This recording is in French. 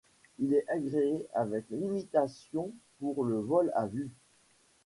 Il est agréé avec limitations pour le vol à vue.